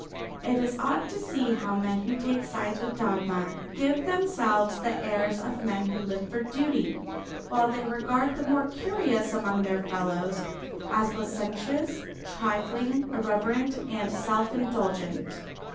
It is odd to see how men who take sides with dogma give themselves the airs of men who live for duty, while they regard the more curious among their fellows as licentious, trifling, irreverent and self indulgent.